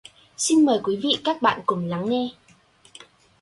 Xin mời quý vị các bạn cùng lắng nghe